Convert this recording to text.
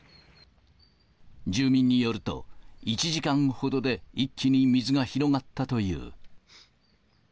住民によると、１時間ほどで、一気に水が広がったという。